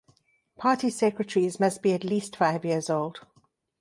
Party secretaries must be at least five years old.